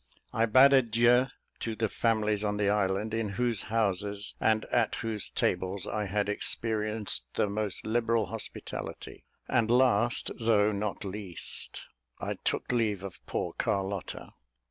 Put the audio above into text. I bade adieu to the families on the island, in whose houses and at whose tables I had experienced the most liberal hospitality; and last, though not least, I took leave of poor Carlotta.